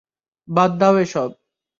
বাদ দাও এসব।